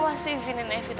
ibu percaya deh sama evita